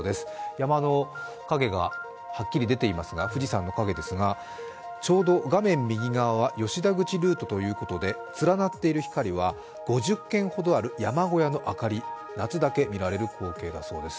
山の陰がはっきり出ていますが、富士山の陰ですがちょうど画面右側は吉田口ルートということで連なっている光は５０軒ほどある山小屋の明かり、夏だけ見られる光景だそうです。